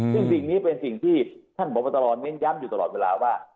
ซึ่งสิ่งนี้เป็นสิ่งที่ท่านพบตรเน้นย้ำอยู่ตลอดเวลาว่า